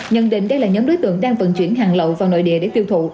nhận định đây là nhóm đối tượng đang vận chuyển hàng lậu vào nội địa để tiêu thụ